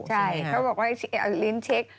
ใช่เขาบอกว่าเอาลิ้นเช็ค